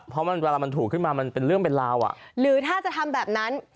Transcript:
เพราะมันเวลามันถูกขึ้นมามันเป็นเรื่องเป็นราวอ่ะหรือถ้าจะทำแบบนั้น